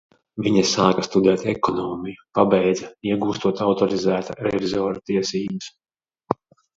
Viņa sāka studēt ekonomiju, pabeidza, iegūstot autorizēta revizora tiesības.